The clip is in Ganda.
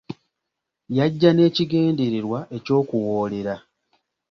Yajja n'ekigendererwa eky'okuwoolera.